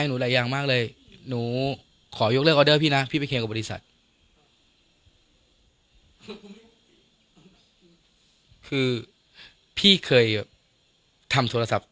คือผมต้องการเงินออเดอร์ตัวเนี้ยเพื่อจะไปซื้อออเดอร์ต่อไป